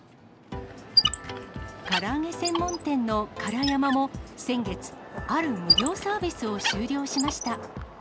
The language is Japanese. から揚げ専門店のからやまも、先月、ある無料サービスを終了しました。